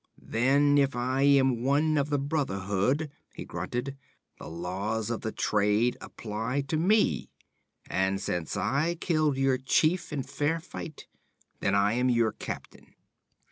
'Then if I am one of the Brotherhood,' he grunted, 'the laws of the Trade apply to me; and since I killed your chief in fair fight, then I am your captain!'